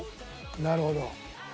なるほど。